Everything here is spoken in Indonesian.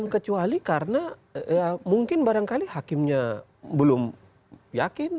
kecuali karena mungkin barangkali hakimnya belum yakin